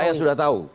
saya sudah tahu